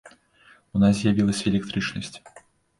У нас з'явілася электрычнасць!